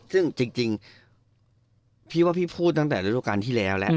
ซึ่งจริงพี่ว่าพี่พูดตั้งแต่โดยโดยการที่แล้ว